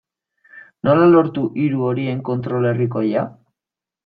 Nola lortu hiru horien kontrol herrikoia?